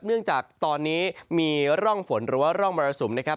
เนื่องจากตอนนี้มีร่องฝนหรือว่าร่องมรสุมนะครับ